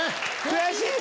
悔しい！